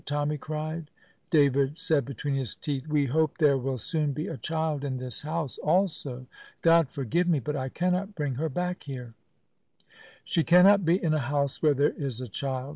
Tommy cried. David said between his teeth: "We hope there will soon be a child in this house, also. God forgive me, but I cannot bring her back here." "She cannot be in a house where there is a child!"